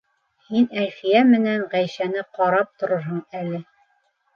Һин Әлфиә менән Ғәйшәне ҡарап торорһоң әле.